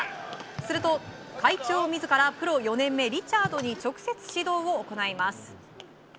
すると会長自らプロ４年目、リチャードに直接指導を行います。